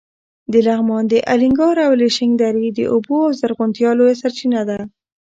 د لغمان د الینګار او الیشنګ درې د اوبو او زرغونتیا لویه سرچینه ده.